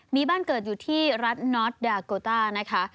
มีบ้านเกิดอยู่ที่รัฐน็อตดาโกต้านะคะ